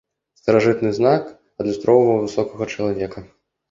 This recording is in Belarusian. Старажытны знак адлюстроўваў высокага чалавека.